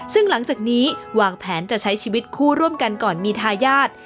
ซึ่งหลังจากนี้วางแผนจะใช้ชีวิตคู่ร่วมกันก่อนมีทายาท